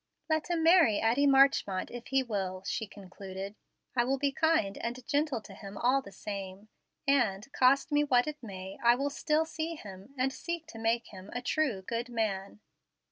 "Let him marry Addie Marchmont if he will," she concluded. "I will be kind and gentle to him all the same, and, cost me what it may, I will still see him, and seek to make him a true, good man."